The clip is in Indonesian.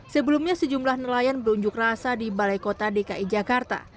sebelumnya sejumlah nelayan berunjuk rasa di balai kota dki jakarta